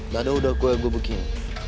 dato udah gue gue bikin